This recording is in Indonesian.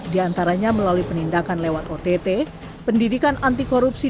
diantaranya melalui penindakan lewat ott pendidikan anti korupsi